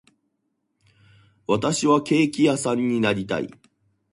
私はケーキ屋さんになりたい